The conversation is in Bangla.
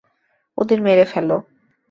ওদের মেরে ফেল।